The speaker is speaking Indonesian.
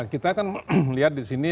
kita kan melihat di sini